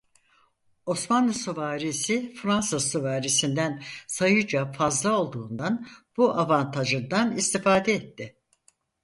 Osmanlı süvarisi Fransız süvarisinden sayıca fazla olduğundan bu avantajından istifade etti.